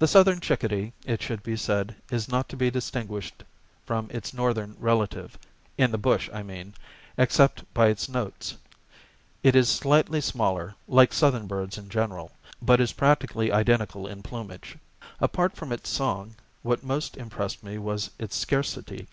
The Southern chickadee, it should be said, is not to be distinguished from its Northern relative in the bush, I mean except by its notes. It is slightly smaller, like Southern birds in general, but is practically identical in plumage. Apart from its song, what most impressed me was its scarcity.